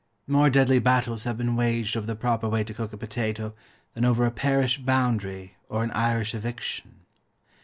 More deadly battles have been waged over the proper way to cook a potato, than over a parish boundary, or an Irish eviction.